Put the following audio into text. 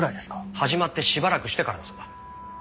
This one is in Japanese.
始まってしばらくしてからだそうだ。